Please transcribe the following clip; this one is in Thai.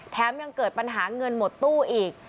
ยังเกิดปัญหาเงินหมดตู้อีก